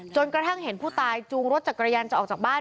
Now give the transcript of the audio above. กระทั่งเห็นผู้ตายจูงรถจักรยานจะออกจากบ้าน